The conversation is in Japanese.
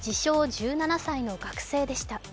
１７歳の学生でした。